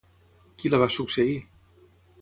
Qui la va succeir?